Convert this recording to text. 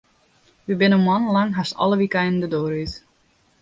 Wy binne moannen lang hast alle wykeinen de doar út.